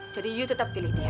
jadi kamu tetap pilih dia